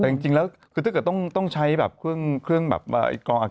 แต่จริงแล้วถ้าเกิดต้องใช้เครื่องกลองอากาศ